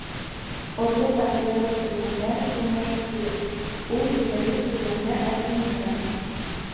Орлоҡ әҙерләүгә килгәндә лә көнләшерлек — ул етерлек күләмдә әҙерләнгән.